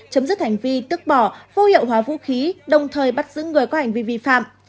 chấm dứt hành vi tức bỏ vô hiệu hóa vũ khí đồng thời bắt giữ người có hành vi vi phạm